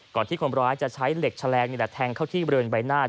ก่อนที่คนร้ายจะใช้เหล็กแฉลงแทงเข้าที่บริเวณใบหน้า